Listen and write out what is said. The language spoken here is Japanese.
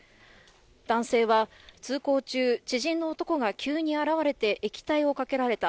男性は通行中、知人の男が急に現れて、液体をかけられた。